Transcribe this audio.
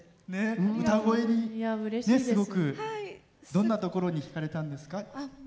歌声にすごくどんなところにひかれたんですか？